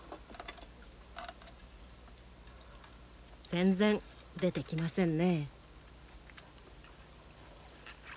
全然出てきませんね。